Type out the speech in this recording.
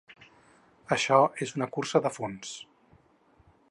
Això és una cursa de fons.